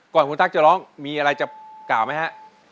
ก่อนคุณตั๊กจะร้องมีอะไรจะกล่าวไหมฮะ